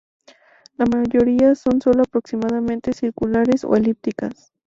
La mayoría son sólo aproximadamente circulares o elípticas.